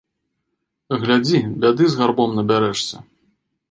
Глядзі, бяды з гарбом набярэшся.